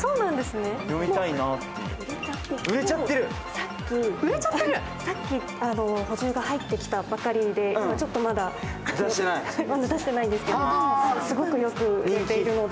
さっき補充が入ってきたばかりでまだちょっと出していないんですけど、すごくよく売れているので。